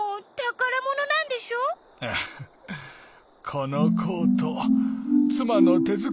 このコートつまのてづくりでね